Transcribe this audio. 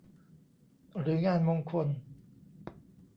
หรืองานมงคล